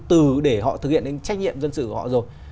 từ để họ thực hiện trách nhiệm dân sự của họ rồi